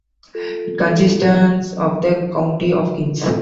It consisted of the County of King's.